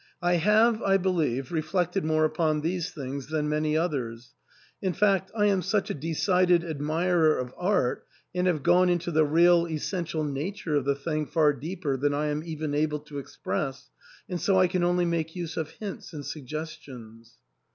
I have, I believe, reflected more upon these things than many others ; in fact, I am such a decided admirer of art, and have gone into the real essential nature of the thing far deeper than I am even able to express, and so I can only make use of hints and suggestions."